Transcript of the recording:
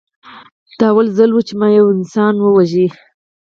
دا لومړی ځل و چې ما یو انسان وواژه